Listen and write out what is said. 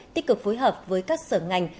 tích cực phối hợp với các sở ngành